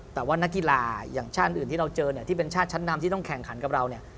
แต่ว่านักกีฬาอย่างชาติอื่นที่เราเจอเนี่ยที่เป็นชาติชั้นนำที่ต้องแข่งขันกับเราเนี่ย